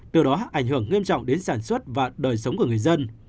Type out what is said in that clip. từ đó ảnh hưởng nghiêm trọng đến sản xuất và đời sống của người dân